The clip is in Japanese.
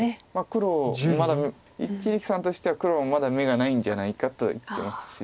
黒まだ一力さんとしては黒もまだ眼がないんじゃないかと言ってますし。